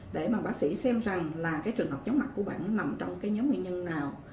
để bác sĩ xem rằng trường hợp chóng mặt của bạn nằm trong nhóm nguyên nhân nào